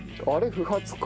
不発か。